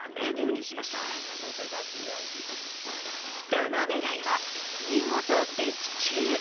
その狙いは、見事的中！